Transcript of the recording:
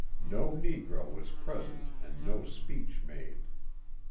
No negro was present and no speech made.